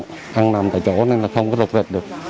thằng nằm tại chỗ nên là không có rụt rệt được